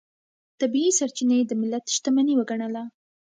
طبیعي سرچینې د ملت شتمنۍ وګڼله.